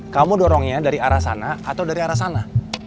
kamu dorongnya dari arah sana atau dari arah sana